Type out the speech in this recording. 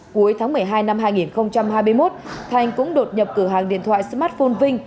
cuối tháng một mươi hai năm hai nghìn hai mươi một thành cũng đột nhập cửa hàng điện thoại smartphone ving